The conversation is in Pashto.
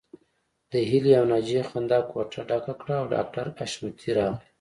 د هيلې او ناجيې خندا کوټه ډکه کړه او ډاکټر حشمتي راغی